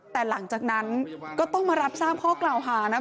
แต่หลังจากนั้นก็ต้องมารับทราบข้อกล่าวหานะ